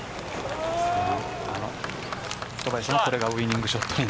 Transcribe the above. これがウイニングショットに